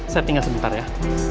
saya tinggal sebentar ya